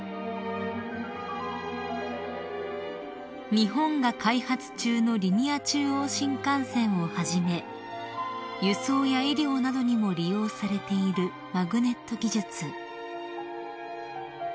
［日本が開発中のリニア中央新幹線をはじめ輸送や医療などにも利用されているマグネット技術］